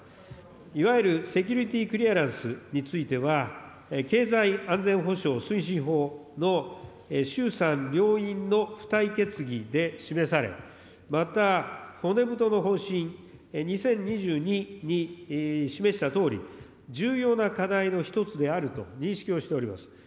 いわゆるセキュリティ・クリアランスについては、経済安全保障推進法の衆参両院の付帯決議で示され、また、骨太の方針２０２２に示したとおり、重要な課題の一つであると認識をしております。